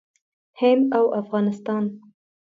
هند او افغانستان